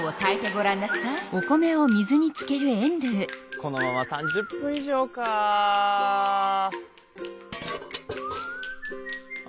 このまま３０分以上かあ。